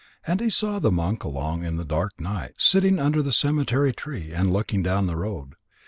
And he saw the monk along in the dark night, sitting under the cemetery tree and looking down the road.